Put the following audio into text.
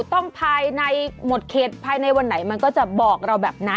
ต้องภายในหมดเขตภายในวันไหนมันก็จะบอกเราแบบนั้น